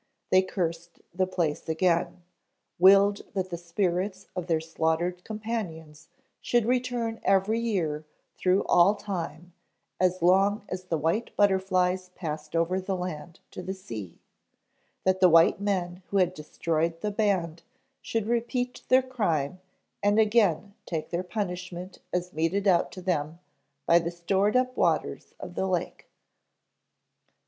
They cursed the place again, willed that the spirits of their slaughtered companions should return every year through all time as long as the white butterflies passed over the land to the sea; that the white men who had destroyed the band should repeat their crime and again take their punishment as meted out to them by the stored up waters of the lake."